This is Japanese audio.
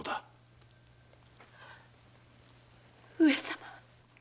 上様。